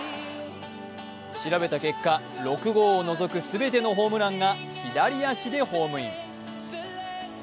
調べた結果、６号を除く全てのホームランが左足でホームイン。